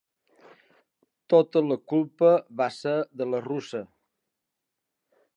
Tota la culpa va ser de la russa.